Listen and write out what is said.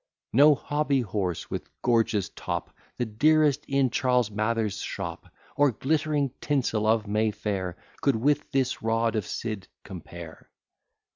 No hobby horse, with gorgeous top, The dearest in Charles Mather's shop, Or glittering tinsel of May Fair, Could with this rod of Sid compare.